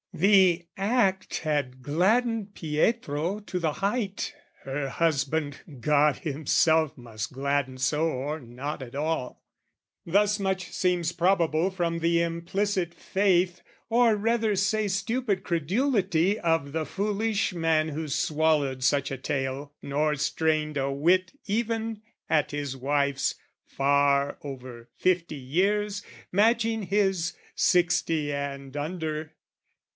The act had gladdened Pietro to the height, Her husband God himself must gladden so Or not at all (thus much seems probable From the implicit faith, or rather say Stupid credulity of the foolish man Who swallowed such a tale nor strained a whit Even at his wife's far over fifty years Matching his sixty and under.)